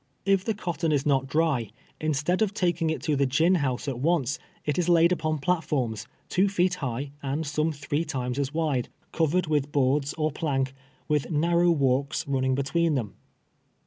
If the cut ton is not dry, instead of taking it to the gin house at once, it is laid upon platforms, two feet high, and some three times as wide, covered with boards or plank, with narrow walks running between them.